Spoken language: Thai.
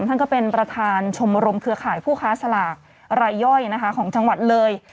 ท่านก็เป็นประธานชมรมเครือข่ายผู้ค้าสลากรายย่อยนะคะของจังหวัดเลย